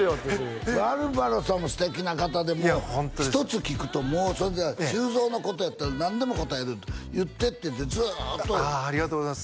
アルバロさんも素敵な方で１つ聞くともうそれで「修造のことやったら何でも答える」と「言って」って言ってずっとああありがとうございます